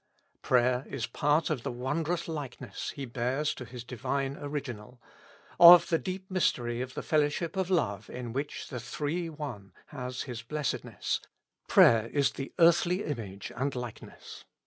Prayer is part of the wondrous likeness he bears to his Divine original ; of the deep mystery of the fellowship of love in which the Three One has His blessedness, prayer is the earthly image and likeness.